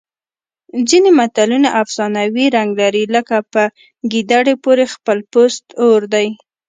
ځینې متلونه افسانوي رنګ لري لکه په ګیدړې پورې خپل پوست اور دی